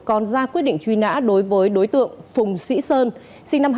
còn ra quyết định truy nã đối với đối tượng phùng văn kiêm sinh năm một nghìn chín trăm chín mươi ba